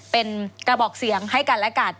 เป็นกระบอกเสียงให้กันและกัน